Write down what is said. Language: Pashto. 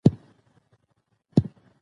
اداري شفافیت د ولس او واک ترمنځ واټن کموي